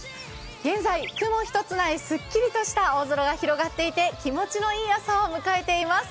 現在、雲１つないすっきりとした青空が広がっていて、気持ちのいい朝を迎えています。